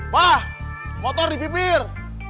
bah motor dipipir